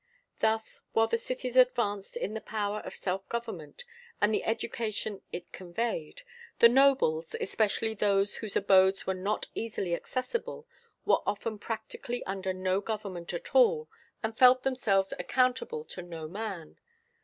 Thus, while the cities advanced in the power of self government, and the education it conveyed, the nobles, especially those whose abodes were not easily accessible, were often practically under no government at all, and felt themselves accountable to no man.